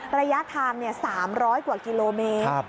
ระยะทาง๓๐๐กว่ากิโลเมตร